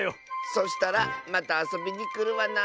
そしたらまたあそびにくるわな。